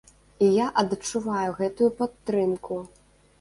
І я адчуваю гэтую падтрымку.